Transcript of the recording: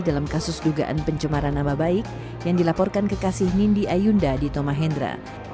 dalam kasus dugaan pencemaran nama baik yang dilaporkan kekasih nindi ayunda di tomahendra